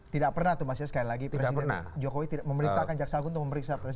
tidak pernah tuh mas ya sekali lagi presiden jokowi tidak memerintahkan jaksa agung untuk memeriksa presiden